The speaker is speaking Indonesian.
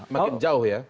semakin jauh ya